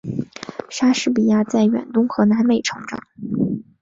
莎士比亚在远东和南美成长。